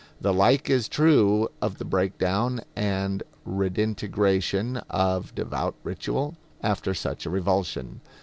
The like is true of the breakdown and redintegration of devout ritual after such a revulsion.